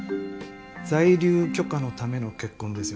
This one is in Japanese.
在留許可のための結婚ですよね？